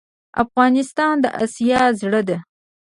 افغانستان د اسیا زړه ده